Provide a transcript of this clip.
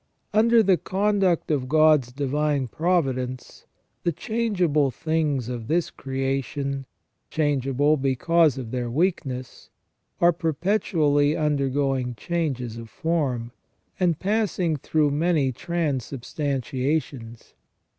Under the conduct of God's divine providence the changeable things of this creation, changeable because of their weakness, are perpetually undergoing changes of form, and passing through many transubstantiations.